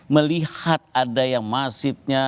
melihat ada yang masifnya